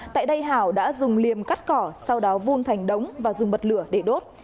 tại đây hảo đã dùng liềm cắt cỏ sau đó vun thành đống và dùng bật lửa để đốt